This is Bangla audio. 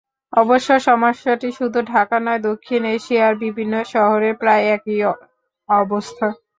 অবশ্য সমস্যাটি শুধু ঢাকা নয়, দক্ষিণ এশিয়ার বিভিন্ন শহরের প্রায় একই অবস্থা।